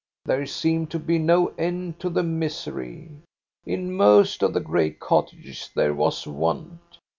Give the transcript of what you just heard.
There seemed to be no end to the misery. In most of the gray cottages there was want.